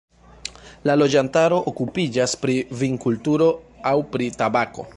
La loĝantaro okupiĝas pri vinkulturo aŭ pri tabako.